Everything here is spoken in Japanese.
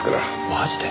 マジで！？